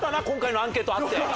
今回のアンケートあって。